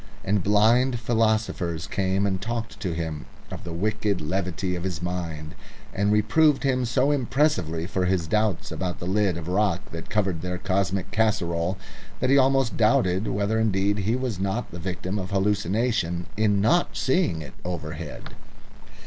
And blind philosophers came and talked to him of the wicked levity of his mind, and reproved him so impressively for his doubts about the lid of rock that covered their cosmic casserole that he almost doubted whether indeed he was not the victim of hallucination in not seeing it overhead.